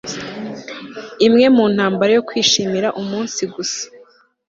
Imwe muntambara yo kwishimira umunsi gusa